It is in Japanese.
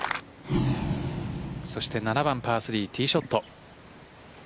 そして７番パー３ティーショット。